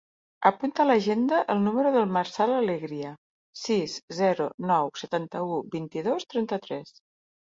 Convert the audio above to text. Apunta a l'agenda el número del Marçal Alegria: sis, zero, nou, setanta-u, vint-i-dos, trenta-tres.